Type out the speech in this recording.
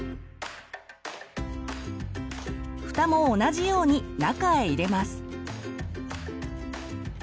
フタも同じように中へ入れます。